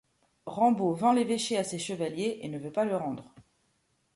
Rambaud vend l’évêché à ses chevaliers et ne veut pas le rendre.